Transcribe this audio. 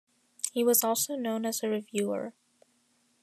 He was also known as a reviewer.